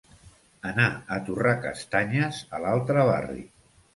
Anar a torrar castanyes a l'altre barri.